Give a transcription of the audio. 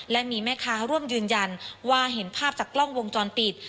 และมีแม่ค้าร่วมยืนยันว่าเห็นภาพจากกล้องวงจรปิด